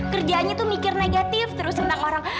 kerjaannya tuh mikir negatif terus tentang orang